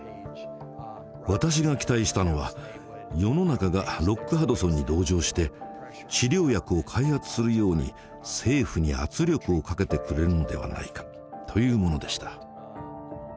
私が期待したのは世の中がロック・ハドソンに同情して治療薬を開発するように政府に圧力をかけてくれるのではないかというものでした。